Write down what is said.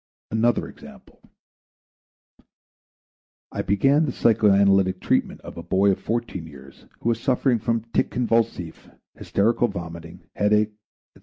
Another example: I began the psychoanalytic treatment of a boy of fourteen years who was suffering from tic convulsif, hysterical vomiting, headache, &c.